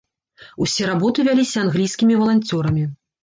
Усе работы вяліся англійскімі валанцёрамі.